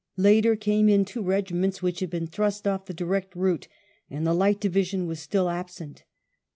Later came in two regiments which had been thrust oflF the direct route, and the Light Division was still absent.